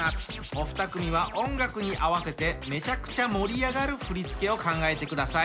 お二組は音楽に合わせてめちゃくちゃ盛り上がる振り付けを考えてください。